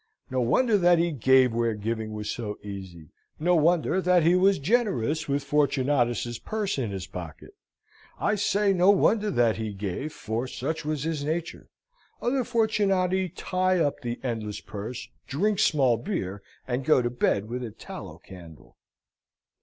No wonder that he gave where giving was so easy; no wonder that he was generous with Fortunatus's purse in his pocket. I say no wonder that he gave, for such was his nature. Other Fortunati tie up the endless purse, drink small beer, and go to bed with a tallow candle.